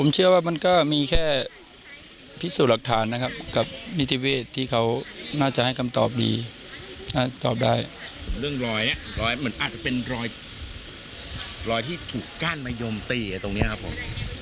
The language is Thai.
เรื่องรอยเนี้ยรอยเหมือนอาจจะเป็นรอยรอยที่ถูกกั้นมายมตีอ่ะตรงเนี้ยครับผม